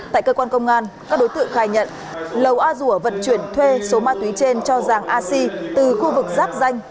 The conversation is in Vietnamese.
tại cơ quan công an các đối tượng khai nhận lầu a dùa vận chuyển thuê số ma túy trên cho giang a si từ khu vực giáp danh